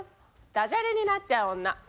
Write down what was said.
「ダジャレになっちゃう女」。